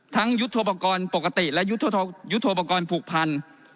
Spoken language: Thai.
ยุทธโปรกรณ์ปกติและยุทธโปรกรณ์ผูกพัน